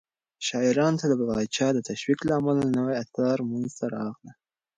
شاعرانو ته د پاچا د تشويق له امله نوي آثار منځته راغلل.